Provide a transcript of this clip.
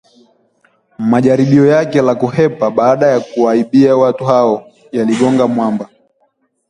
Majaribio yake la kuhepa baada ya kuwaibia watu hao yaligonga mwamba